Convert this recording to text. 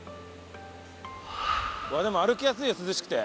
でも歩きやすいよ涼しくて。